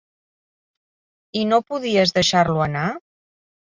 I no pudies deixar-lo anar?